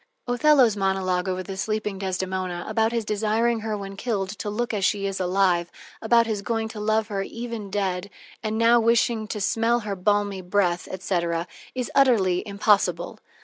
Othello's monolog over the sleeping Desdemona, about his desiring her when killed to look as she is alive, about his going to love her even dead, and now wishing to smell her "balmy breath," etc., is utterly impossible.